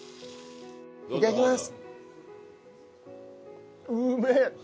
いただきます。